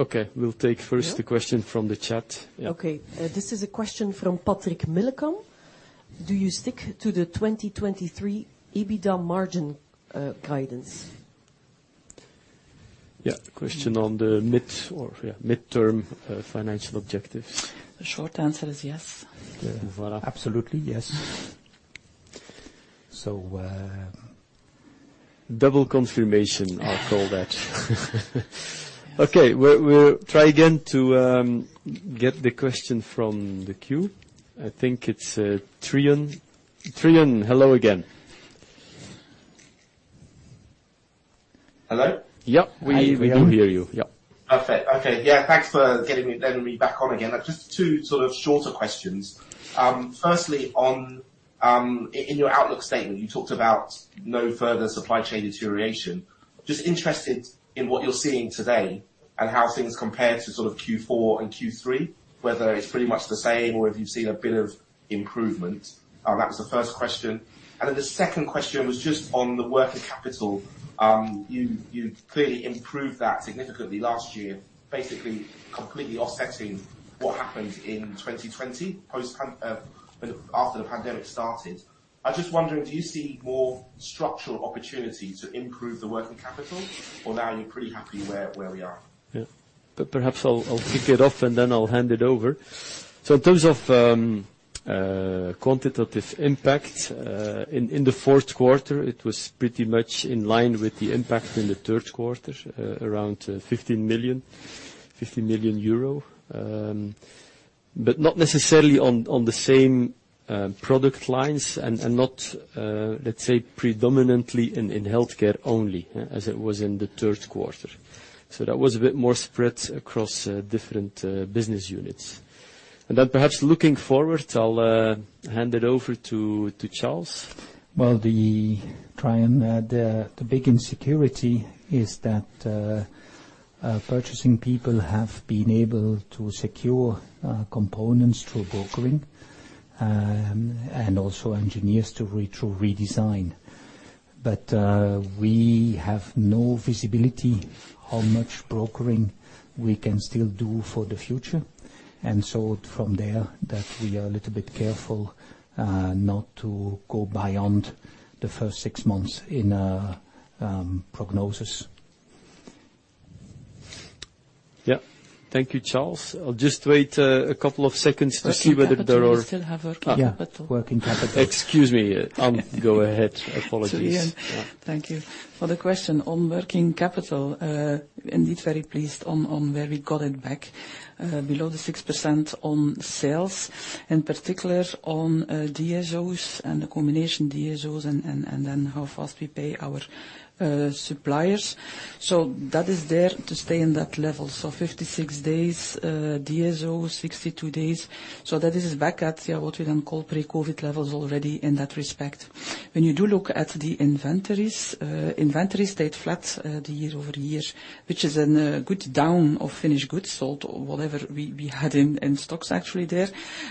Okay. We'll take first the question from the chat. Yeah. Okay. This is a question from Patrick Milliken. Do you stick to the 2023 EBITDA margin guidance? Yeah. Question on the midterm financial objectives. The short answer is yes. Yeah. Voilà. Absolutely, yes. Double confirmation, I'll call that. Okay. We'll try again to get the question from the queue. I think it's Trion. Trion, hello again. Hello? Yep. Hi, Trion. We can hear you. Yep. Perfect. Okay. Yeah, thanks for letting me back on again. Just two sort of shorter questions. Firstly, in your outlook statement, you talked about no further supply chain deterioration. Just interested in what you're seeing today and how things compare to sort of Q4 and Q3, whether it's pretty much the same or if you've seen a bit of improvement. That was the first question. The second question was just on the working capital. You clearly improved that significantly last year, basically completely offsetting what happened in 2020 post, after the pandemic started. I'm just wondering, do you see more structural opportunity to improve the working capital, or now you're pretty happy where we are? Perhaps I'll kick it off, and then I'll hand it over. In terms of quantitative impact in the fourth quarter, it was pretty much in line with the impact in the third quarter, around 15 million-50 million euro. But not necessarily on the same product lines and not, let's say, predominantly in healthcare only, as it was in the third quarter. That was a bit more spread across different business units. Then perhaps looking forward, I'll hand it over to Charles. Well, Trion, the big insecurity is that purchasing people have been able to secure components through brokering and also engineers through redesign. We have no visibility how much brokering we can still do for the future. From there, that we are a little bit careful not to go beyond the first six months in prognosis. Yeah. Thank you, Charles. I'll just wait a couple of seconds to see whether there are- Working capital. We still have working capital. Yeah, working capital. Excuse me. Ann, go ahead. Apologies. Trion. Yeah. Thank you. For the question on working capital, indeed very pleased on where we got it back below the 6% on sales, in particular on DSOs and the combination of DSOs and then how fast we pay our suppliers. That is there to stay in that level. 56 days DSO, 62 days. That is back at, yeah, what we then call pre-COVID levels already in that respect. When you do look at the inventories stayed flat the year-over-year, which is a good drawdown of finished goods sold or whatever we had in stocks actually there.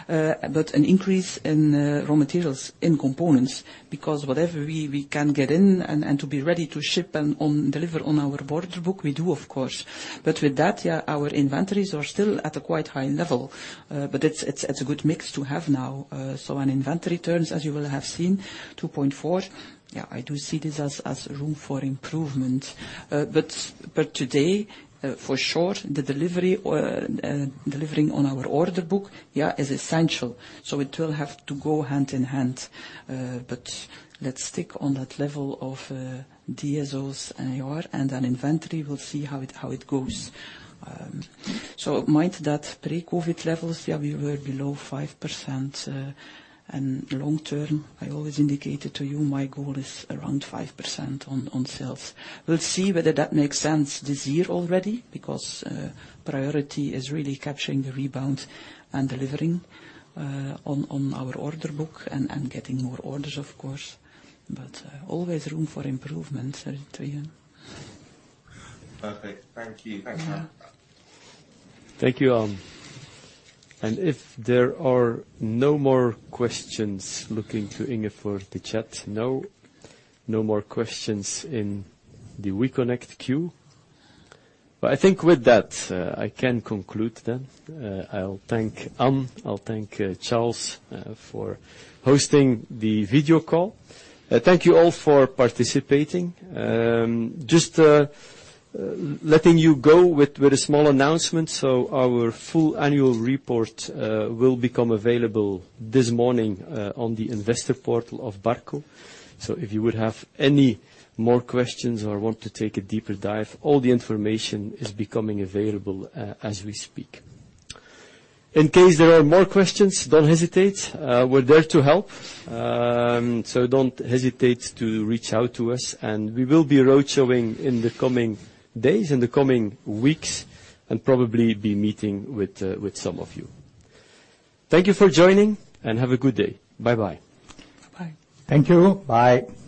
But an increase in raw materials and components because whatever we can get in and to be ready to ship and deliver on our order book, we do, of course. With that, yeah, our inventories are still at a quite high level. It's a good mix to have now. On inventory terms, as you will have seen, 2.4%. I do see this as room for improvement. Today, for sure the delivery or delivering on our order book, yeah, is essential, so it will have to go hand in hand. Let's stick on that level of DSOs and AR and inventory. We'll see how it goes. Mind that pre-COVID levels, yeah, we were below 5%. Long term, I always indicated to you my goal is around 5% on sales. We'll see whether that makes sense this year already because priority is really capturing the rebound and delivering on our order book and getting more orders of course. Always room for improvement, Trion. Perfect. Thank you. Thanks. Thank you, Ann. If there are no more questions, looking to Inge for the chat. No. No more questions in the weConnect queue. I think with that, I can conclude then. I'll thank Ann and Charles for hosting the video call. Thank you all for participating. Just letting you go with a small announcement. Our full annual report will become available this morning on the investor portal of Barco. If you would have any more questions or want to take a deeper dive, all the information is becoming available as we speak. In case there are more questions, don't hesitate. We're there to help. Don't hesitate to reach out to us. We will be road showing in the coming days, in the coming weeks, and probably be meeting with some of you. Thank you for joining, and have a good day. Bye-bye. Bye. Thank you. Bye. Is yours.